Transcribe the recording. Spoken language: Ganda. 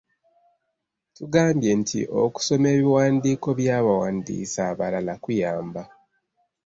Tugambye nti okusoma ebiwandiiko by’abawandiisi abalala kuyamba.